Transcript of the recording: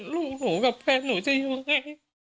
ลูกหนูกับแฟนหนูจะอยู่ยังไง